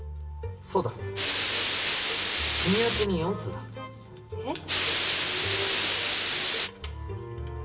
そうだ君宛てに４通だえっ？